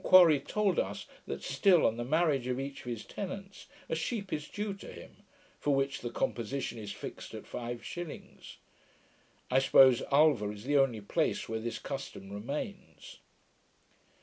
] M'Quarrie told us, that still, on the marriage of each of his tenants, a sheep is due to him; for which the composition is fixed at five shillings. I suppose, Ulva is the only place where this custom remains.